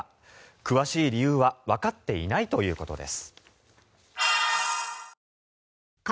詳しい理由はわかっていないということです。